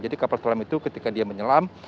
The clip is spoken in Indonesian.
jadi kapal selam itu ketika dia menyelam